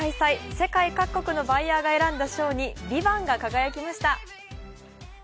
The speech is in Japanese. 世界各国のバイヤーが選んだ賞に「ＶＩＶＡＮＴ」が輝きました。